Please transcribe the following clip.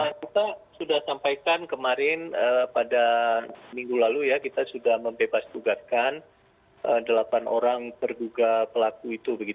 kita sudah sampaikan kemarin pada minggu lalu ya kita sudah membebas tugaskan delapan orang terduga pelaku itu